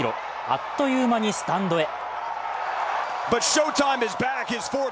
あっという間にスタンドへ。